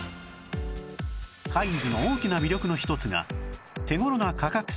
カインズの大きな魅力の一つが手頃な価格設定